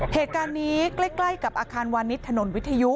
เหตุการณ์นี้ใกล้กับอาคารวานิสถนนวิทยุ